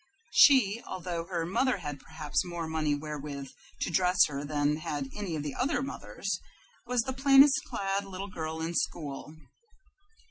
She, although her mother had perhaps more money wherewith to dress her than had any of the other mothers, was the plainest clad little girl in school.